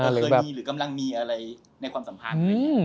เคยมีหรือกำลังมีอะไรในความสัมพันธ์ไหม